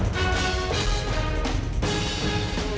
ตายสิ